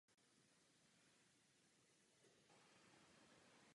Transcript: Volební období končilo současně se Sněmovnou lidu.